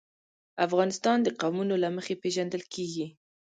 افغانستان د قومونه له مخې پېژندل کېږي.